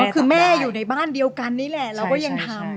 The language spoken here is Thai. คือแม่อยู่ในบ้านเดียวกันนี่แหละเราก็ยังทำ